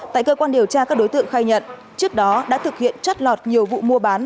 tại cơ quan điều tra các đối tượng khai nhận trước đó đã thực hiện chất lọt nhiều vụ mua bán